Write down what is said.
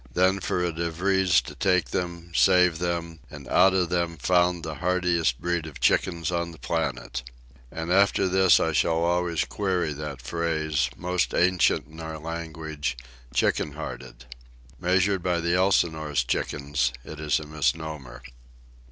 Then for a De Vries to take them, save them, and out of them found the hardiest breed of chickens on the planet! And after this I shall always query that phrase, most ancient in our language—"chicken hearted." Measured by the Elsinore's chickens, it is a misnomer.